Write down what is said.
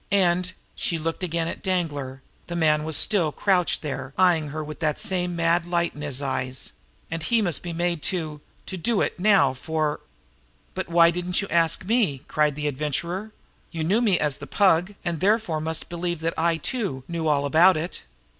And" she looked again at Danglar; the man was still crouched there, eying her with that same mad light in his eyes "and he must be made to to do it now for " "But why didn't you ask me?" cried the Adventurer. "You knew me as the Pug, and therefore must have believed that I, too, know all about it."